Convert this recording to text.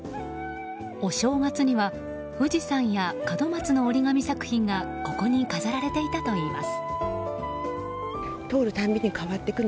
お正月には富士山や門松の折り紙作品がここに飾られていたといいます。